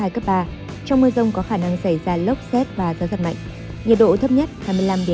trong mưa rông có khả năng xảy ra lốc xét và gió giật mạnh nhiệt độ thấp nhất hai mươi năm hai mươi tám độ